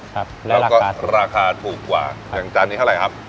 แล้วก็ราคาถูกกว่าอย่างจานนี้เท่าไหร่ครับ